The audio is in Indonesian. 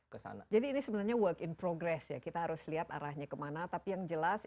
kesana jadi ini sebenarnya work in progress ya kita harus lihat arahnya kemana tapi yang jelas